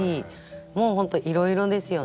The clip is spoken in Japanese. もうほんといろいろですよね。